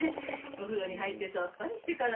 お風呂に入ってさっぱりしてから。